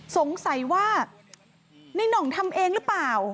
สงสัยว่านี่น่องทำเองรึเปล่า